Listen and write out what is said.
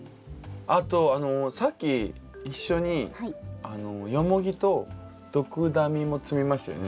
あとさっき一緒にヨモギとドクダミも摘みましたよね。